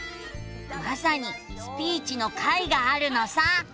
まさに「スピーチ」の回があるのさ。